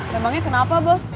memangnya kenapa bos